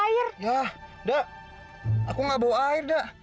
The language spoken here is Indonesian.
yah dah aku gak bawa air dah